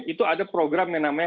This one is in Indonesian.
itu ada program yang namanya